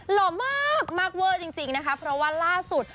หล่อมากมากเวอร์จริงนะคะเพราะว่าล่าสุด